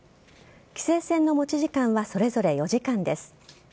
棋聖戦の持ち時間はそれぞれ４時間です。